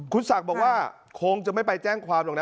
คุณศักดิ์บอกว่าคงจะไม่ไปแจ้งความหรอกนะ